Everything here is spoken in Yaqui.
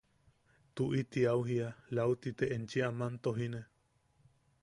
–Tuʼiti au jia –lauti ne enchi aman tojine.